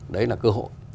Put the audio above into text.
đấy là cơ hội